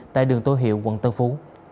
tại đường tô hiệu quận tân phú